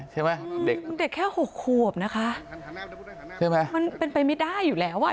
เด็กแค่หกโคบนะคะมันเป็นไปไม่ได้อยู่แล้วว่า